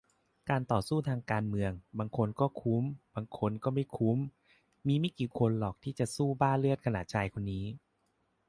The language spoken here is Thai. การต่อสู้ทางการเมือง บางคนก็คุ้มบางคนก็ไม่คุ้ม มีไม่กี่คนหรอกที่จะสู้บ้าเลือดขนาดชายคนนี้